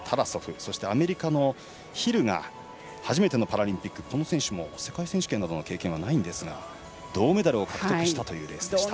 そして、アメリカのヒルが初めてのパラリンピックでこの選手も世界選手権などの経験はないんですが銅メダルを獲得したというレースでした。